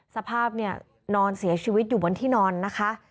สภาพเนี่ยนอนเสียชีวิตอยู่บนที่นอนนะคะ